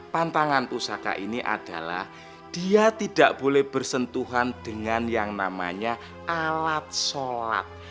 pantangan pusaka ini adalah dia tidak boleh bersentuhan dengan yang namanya alat sholat